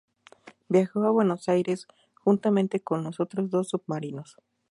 Viajó a Buenos Aires juntamente con los otros dos submarinos.